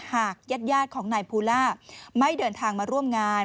หากญาติของนายภูล่าไม่เดินทางมาร่วมงาน